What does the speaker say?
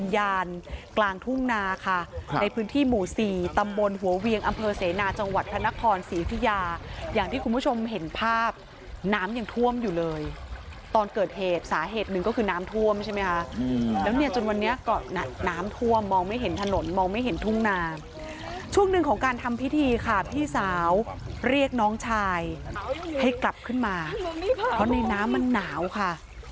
อย่างที่คุณผู้ชมเห็นภาพน้ำยังท่วมอยู่เลยตอนเกิดเหตุสาเหตุหนึ่งก็คือน้ำท่วมใช่ไหมคะแล้วเนี่ยจนวันนี้ก็น้ำท่วมมองไม่เห็นถนนมองไม่เห็นทุ่งนาช่วงหนึ่งของการทำพิธีค่ะพี่สาวเรียกน้องชายให้กลับขึ้นมาเพราะในน้ำมันหนาวค่ะ